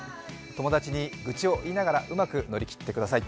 友達に愚痴を言いながら、うまく乗り切ってください。